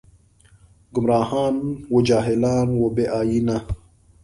ګمراهان و جاهلان و بې ائينه